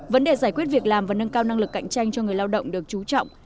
vấn đề giải quyết việc làm và nâng cao năng lực cạnh tranh cho người lao động được trú trọng